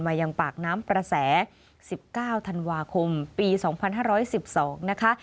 ยังปากน้ำประแส๑๙ธันวาคมปี๒๕๑๒นะคะ